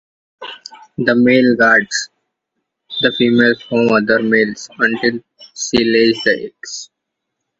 The males guard the female from other males until she lays the eggs.